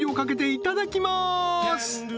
いただきます